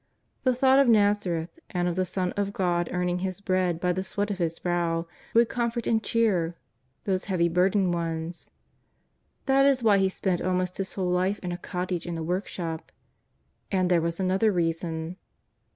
The thought of ISTazareth and of the Son of God earning His bread by the sweat of His brow would comfort and cheer these heavy burdened ones. JESUS OF NAZARETH. 103 This is whj He spent almost His whole life in a cottage and a workshop. And there was another reason.